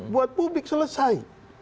buat publik selesai